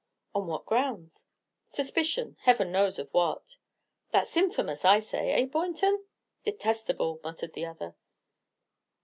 "On what grounds?" "Suspicion, Heavens knows of what!" "That's infamous, I say. Eh, Baynton?" "Detestable," muttered the other.